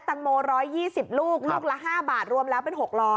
ตังโม๑๒๐ลูกลูกละ๕บาทรวมแล้วเป็น๖๐๐